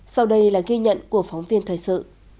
sau đây là ghi nhận của phóng viên thời sự